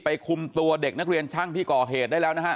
คุมตัวเด็กนักเรียนช่างที่ก่อเหตุได้แล้วนะฮะ